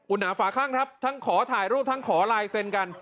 อุณหภาคั่งครับทั้งขอถ่ายรูปทั้งขอไลน์เซนกัน